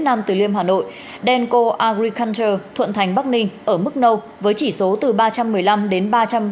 năm tử liêm hà nội đen co agriculture thuận thành bắc ninh ở mức nâu với chỉ số từ ba trăm một mươi năm đến ba trăm ba mươi hai